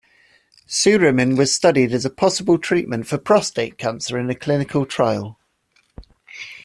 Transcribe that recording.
Suramin was studied as a possible treatment for prostate cancer in a clinical trial.